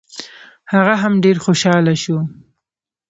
هغه هم ډېر خوشحاله شو.